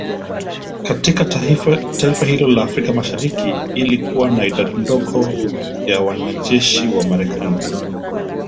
katika taifa hilo la Afrika mashariki ili kuwa na idadi ndogo ya wanajeshi wa Marekani